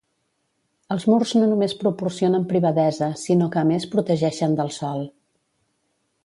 Els murs no només proporcionen privadesa sinó que a més protegixen del sol.